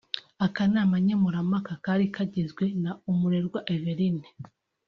Akanama nkemurampaka kari kagizwe na Umurerwa Evelyne